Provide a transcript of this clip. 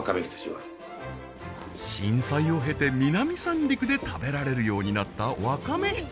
震災を経て南三陸で食べられるようになったわかめ羊